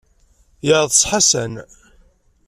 Yeɛḍes Ḥasan.